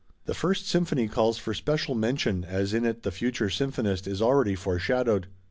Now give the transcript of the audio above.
The First Symphony calls for special mention as in it the future Symphonist is already foreshadowed.